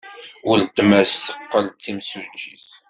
Weltma-s teqqel d timsujjit.